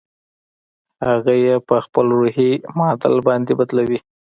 هغه يې په خپل روحي معادل باندې بدلوي.